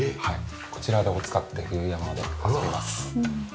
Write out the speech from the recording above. こちらを使って冬山で遊びます。